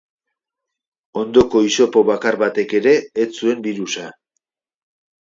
Ondoko hisopo bakar batek ere ez zuen birusa.